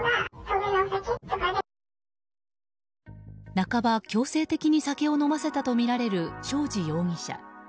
半ば強制的に酒を飲ませたとみられる正地容疑者。